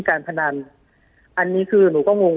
ปากกับภาคภูมิ